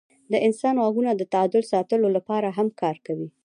د انسان غوږونه د تعادل ساتلو لپاره هم کار کوي.